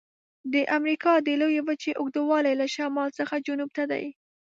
د امریکا د لویې وچې اوږدوالی له شمال څخه جنوب ته دی.